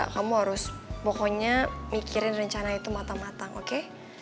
kamu harus pokoknya mikirin rencana itu matang matang oke